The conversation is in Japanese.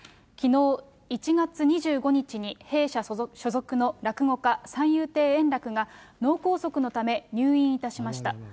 きのう１月２５日に、弊社所属の落語家、三遊亭円楽が、脳梗塞のため、入院いたしました。